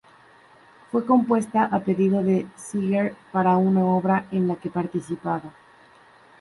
Fue compuesta a pedido de Seeger para una obra en la que participaba.